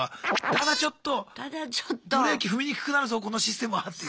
ただちょっとブレーキ踏みにくくなるぞこのシステムはっていう。